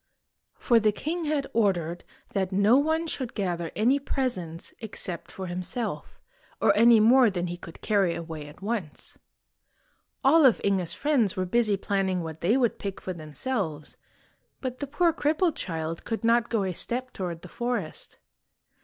For the king had ordered that no one should gather any presents except for himself, or any more than he could carry away at once. All of Inge's friends were busy planning what they would pick for themselves, but the poor crippled child could not go a step toward the forest.